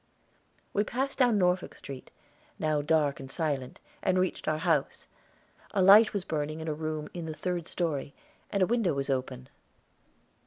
_" We passed down Norfolk Street, now dark and silent, and reached our house. A light was burning in a room in the third story, and a window was open.